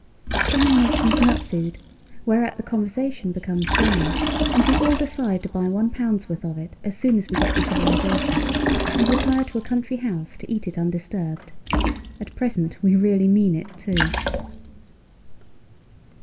Some one mentions nut food, whereat the conversation becomes general, and we all decide to buy one pound's worth of it as soon as we get to civilization, and retire to a country house to eat it undisturbed. At present we really mean it, too!"